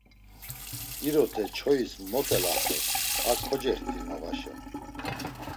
İrote çoyis mot elaxer, a kocext̆i noğaşa.